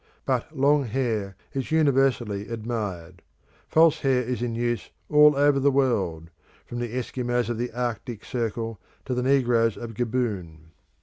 But long hair is universally admired. False hair is in use all over the world, from the Eskimos of the Arctic circle to the negroes of Gaboon.